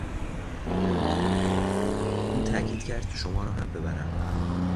او تاکید کرد که شما را هم ببرم.